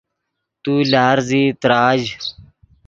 تو لارزیئی تراژ